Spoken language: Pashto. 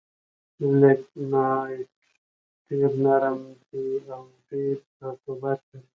لېګنایټ ډېر نرم دي او ډېر رطوبت لري.